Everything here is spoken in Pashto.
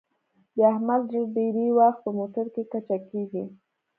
د احمد زړه ډېری وخت په موټرکې کچه کېږي.